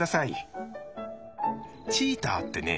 チーターってね